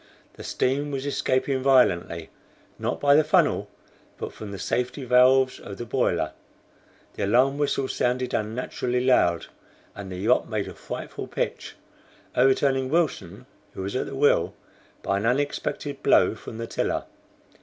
The steam was escaping violently, not by the funnel, but from the safety valves of the boiler; the alarm whistle sounded unnaturally loud, and the yacht made a frightful pitch, overturning Wilson, who was at the wheel, by an unexpected blow from the tiller.